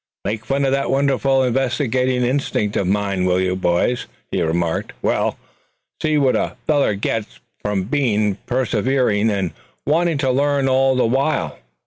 "Make fun of that wonderful investigating instinct of mine, will you, boys?" he remarked; "well, see what a feller gets for being persevering, and wanting to learn all the while.